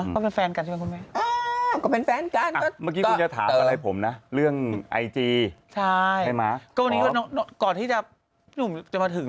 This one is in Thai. ก็เป็นแฟนกันใช่ไหมคุณแม่